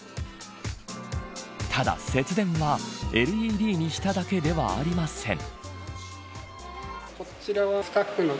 ただ節電はＬＥＤにしただけではありません。